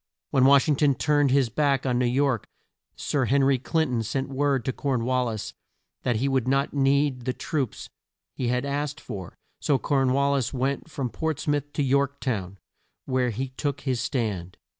When Wash ing ton turned his back on New York, Sir Hen ry Clin ton sent word to Corn wal lis that he would not need the troops he had asked for; so Corn wal lis went from Ports mouth to York town, where he took his stand.